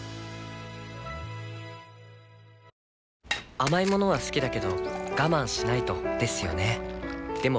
甘い物は好きだけど我慢しないとですよね